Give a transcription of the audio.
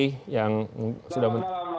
selamat malam wak kito